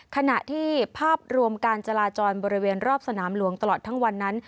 ขณะที่ภาพรวมการจราจรบริเวณรอบสนามหลวงตลอดทั้งวันนั้น